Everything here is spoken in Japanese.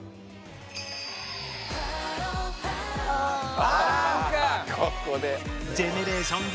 あここで。